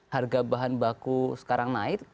harga bahan baku sekarang naik